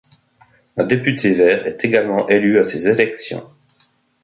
Un député vert est également élu à ces élections.